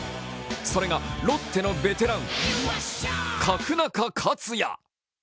それがロッテのベテラン角中勝也。